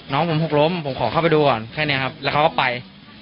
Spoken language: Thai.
น้องผมหกล้มผมขอเข้าไปดูก่อนแค่นี้ครับแล้วเขาก็ไป